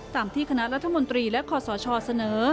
ตามที่คณะรัฐมนตรีและคอสชเสนอ